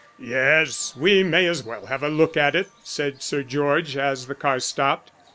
"Yes, we may as well have a look at it," said Sir George, as the car stopped.